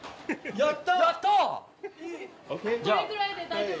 やった！